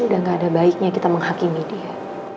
udah gak ada baiknya kita menghakimi dia